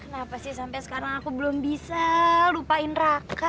kenapa sih sampai sekarang aku belum bisa lupain raka